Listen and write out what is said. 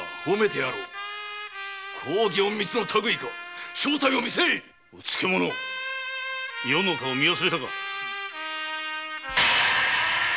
公儀隠密か正体を見せいうつけ者余の顔を見忘れたか。